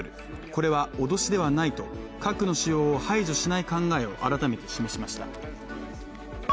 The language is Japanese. これは脅しではないと核の使用を排除しない考えを改めて示しました。